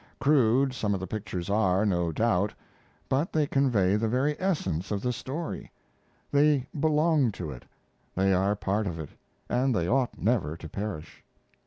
Crude some of the pictures are, no doubt, but they convey the very essence of the story; they belong to it, they are a part of it, and they ought never to perish.